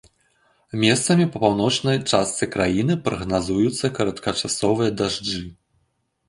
Месцамі па паўночнай частцы краіны прагназуюцца кароткачасовыя дажджы.